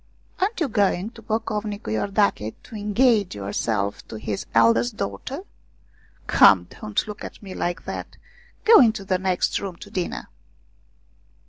Aren't you going to Pocovnicu lordache to engage yourself to his eldest daughter ? Come, don't look at me like that, go into the next room to dinner."